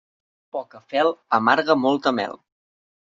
Poca fel amarga molta mel.